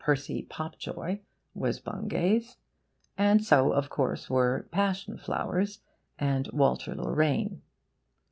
PERCY Popjoy, was Bungay's; and so, of course, were PASSION FLOWERS and WALTER LORRAINE.